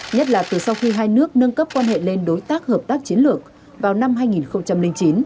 nhất là từ sau khi hai nước nâng cấp quan hệ lên đối tác hợp tác chiến lược vào năm hai nghìn chín